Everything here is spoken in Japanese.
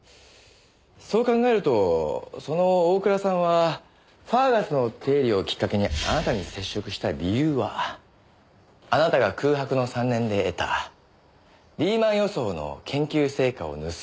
そう考えるとその大倉さんがファーガスの定理をきっかけにあなたに接触した理由はあなたが空白の３年で得たリーマン予想の研究成果を盗むため。